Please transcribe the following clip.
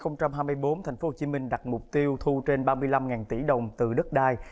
năm hai nghìn hai mươi bốn tp hcm đặt mục tiêu thu trên ba mươi năm tỷ đồng từ đất đai